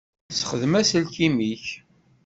Ssexdem aselkim-ik.